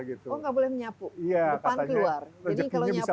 gitu nggak boleh menyapu iya